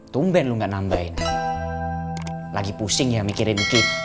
tumben nggak nambahin lagi pusing ya mikirin